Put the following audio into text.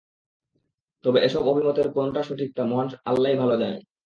তবে এসব অভিমতের কোনটা সঠিক তা মহান আল্লাহই ভালো জানেন।